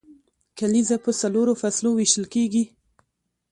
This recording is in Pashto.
کلیزه په څلورو فصلو ویشل کیږي.